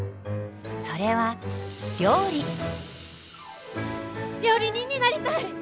それは料理人になりたい！